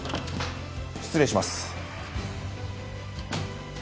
失礼します。